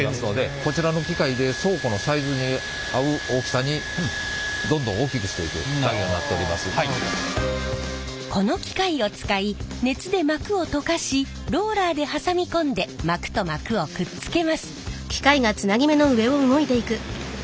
こちらの機械でこの機械を使い熱で膜を溶かしローラーで挟み込んで膜と膜をくっつけます。